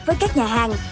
với các nhà hàng